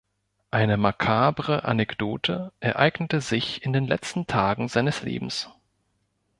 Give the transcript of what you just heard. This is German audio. Eine makabre Anekdote ereignete sich in den letzten Tagen seines Lebens.